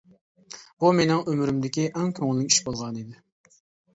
بۇ مېنىڭ ئۆمرۈمدىكى ئەڭ كۆڭۈللۈك ئىش بولغانىدى.